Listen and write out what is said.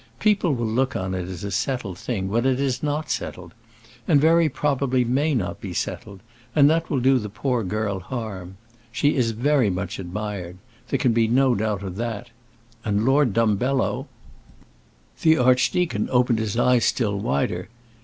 People will look on it as a settled thing, when it is not settled and very probably may not be settled; and that will do the poor girl harm. She is very much admired; there can be no doubt of that; and Lord Dumbello " The archdeacon opened his eyes still wider.